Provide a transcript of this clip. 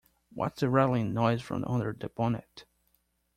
What's that rattling noise from under the bonnet?